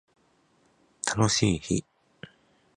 楽しい日